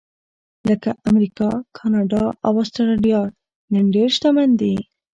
لکه امریکا، کاناډا او اسټرالیا نن ډېر شتمن دي.